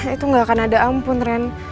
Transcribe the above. itu gak akan ada ampun tren